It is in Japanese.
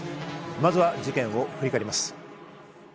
まずは事件を振り返ります。